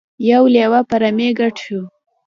یو لیوه په رمې ګډ شو.